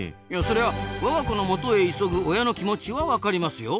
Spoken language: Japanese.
そりゃ我が子のもとへ急ぐ親の気持ちは分かりますよ。